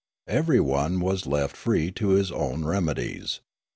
Everyone was left free to use his own remedies.